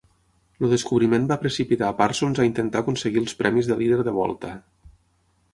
El descobriment va precipitar a Parsons a intentar aconseguir els premis de líder de volta.